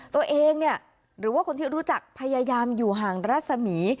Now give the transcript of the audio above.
ตัวเองเนี่ยหรือว่าคนที่รู้จักพยายามอยู่ห่างรัศมี